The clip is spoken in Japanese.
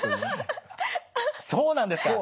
そうなんですか。